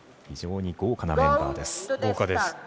非常に豪華なメンバーです。